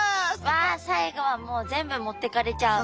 わあ最後はもう全部持ってかれちゃう。